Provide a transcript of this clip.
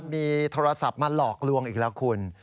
มีโทรศัพท์มาหลอกลวงอีกแล้วคุณ